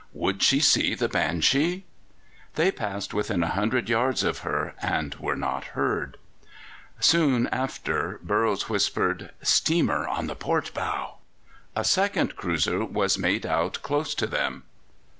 Would she see the Banshee? They passed within a hundred yards of her and were not heard. Soon after Burroughs whispered: "Steamer on the port bow." A second cruiser was made out close to them.